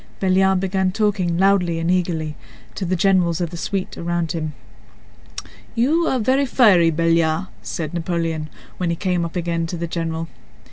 Belliard began talking loudly and eagerly to the generals of the suite around him. "You are very fiery, Belliard," said Napoleon, when he again came up to the general.